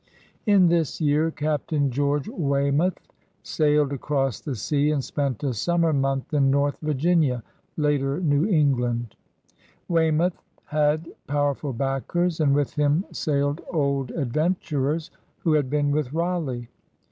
In this year Captain George Weymouth sailed across the sea and spent a summer month in North Virginia — later. New England. Weymouth had powerful backers, and with him sailed old ad venturers who had been with Raleigh.